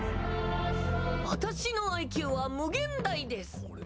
私のＩＱは無限大です。